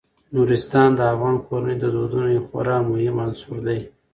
نورستان د افغان کورنیو د دودونو یو خورا مهم عنصر دی.